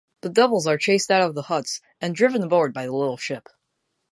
The devils are chased out of the huts and driven aboard the little ship.